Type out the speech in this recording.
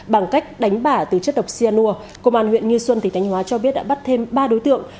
bằng cách đánh bả từ chất độc sia nua công an huyện nghi xuân tỉnh thanh hóa cho biết đã bắt thêm ba đối tượng